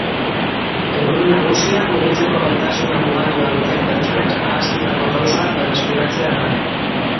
Helburu nagusia mugitzeko gaitasuna mugatua duten pertsonek ahaztutako pausoak berreskuratzea da.